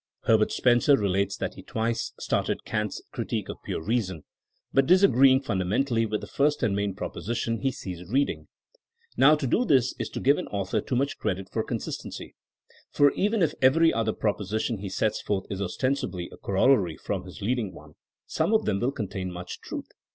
Herbert Spencer relates that he twice started Kant's Critique of Pure Reason, but disagreeing fundamentally with the first and main proposition he ceased reading. Now to do this is to give an author too much credit for consistency. For even if every other proposition he sets forth is ostensibly a corollary from his leading one, some of them will contain much truth.